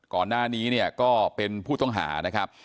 ก่อนหน้านี้เนี่ยก็เป็นผู้ต้องหานะครับ